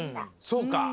そうか！